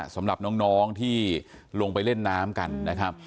สำหรับน้องที่ลงไปเล่นน้ำกันนะครับ